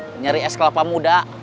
mencari es kelapa muda